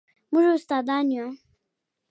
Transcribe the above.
موږ استادان یو